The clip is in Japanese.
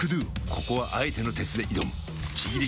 ここはあえての鉄で挑むちぎり